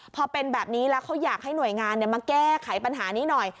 พอเป็นแบบนี้แล้วเขาอยากให้หน่วยงานมาแก้ไขปัญหานี้หน่อย